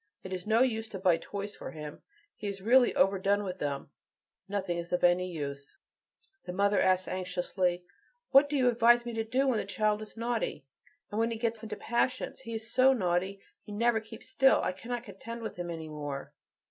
It is no use to buy toys for him, he is really overdone with them; nothing is of any use." The mother asks anxiously, "What do you advise me to do when the child is naughty? and when he gets into passions? He is so naughty, he never keeps still; I cannot contend with him any more."